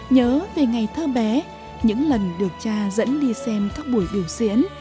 nhớ về ngày thơ bé những lần được cha dẫn đi xem các buổi biểu diễn